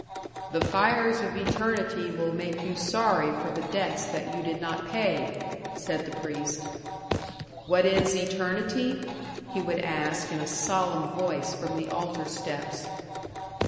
"The fires of eternity will make you sorry for the debts that you did not pay," said the priest. "What is eternity?" he would ask in a solemn voice from the altar steps.